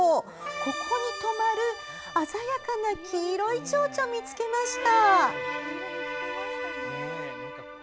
ここにとまる、鮮やかな黄色いチョウチョ見つけました。